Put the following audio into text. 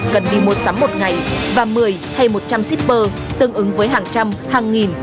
gần đi mua sắm một ngày và một mươi hay một trăm linh shipper tương ứng với hàng trăm hàng nghìn